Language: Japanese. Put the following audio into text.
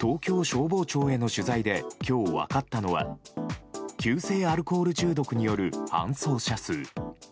東京消防庁への取材で今日分かったのは急性アルコール中毒による搬送者数。